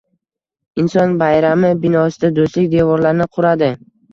Inson bayrami binosida do'stlik devorlarni quradi